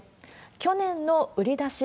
去年の売り出し